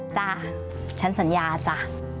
จ้ะฉันสัญญาจ้ะ